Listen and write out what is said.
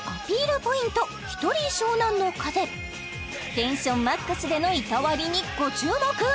テンションマックスでの板割りにご注目！